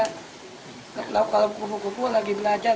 kalau kuku kuku lagi belajar